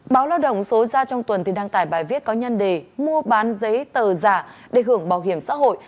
báo lao động số ra trong tuần đăng tải bài viết có nhân đề mua bán giấy tờ giả để hưởng bảo hiểm xã hội